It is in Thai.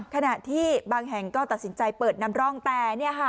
ขณะที่บางแห่งก็ตัดสินใจเปิดนำร่องแต่